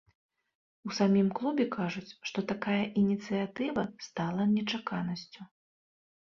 У самім клубе кажуць, што такая ініцыятыва стала нечаканасцю.